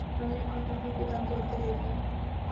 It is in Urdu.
ہم نے پی پی پی کو دم توڑتے دیکھا۔